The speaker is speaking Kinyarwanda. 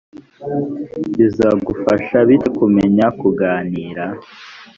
bizagufasha bite kumenya kuganira